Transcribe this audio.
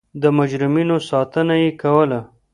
د مجرمینو ساتنه یې کوله.